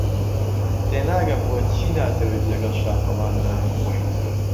تێناگەم بۆچی ناتەوێت لەگەڵ شاخەوان نان بخۆیت.